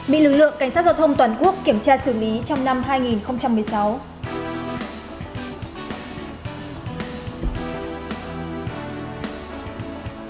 bị lực lượng cảnh sát giao thông toàn quốc kiểm tra xử lý trong năm hai nghìn một mươi sáu